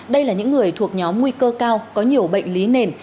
đây là những người thuộc nhóm nguy cơ cao có nhiều bệnh lý nền